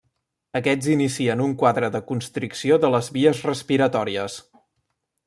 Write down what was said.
Aquests inicien un quadre de constricció de les vies respiratòries.